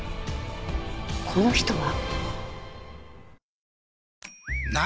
この人は。